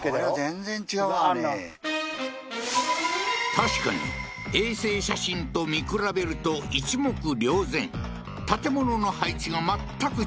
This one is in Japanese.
確かに衛星写真と見比べると一目瞭然違うじゃん！